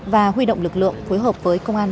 và huy động lực lượng phối hợp với công an